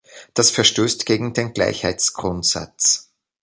Das verstößt gegen den Gleichheitsgrundsatz.